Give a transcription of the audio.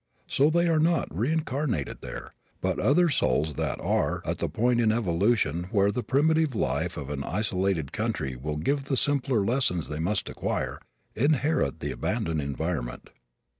So they are not reincarnated there, but other souls that are at the point in evolution where the primitive life of an isolated country will give the simpler lessons they must acquire, inherit the abandoned environment.